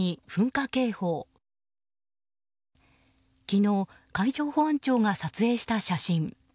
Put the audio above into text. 昨日海上保安庁が撮影した写真。